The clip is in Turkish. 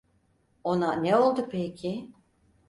Ona ne oldu peki?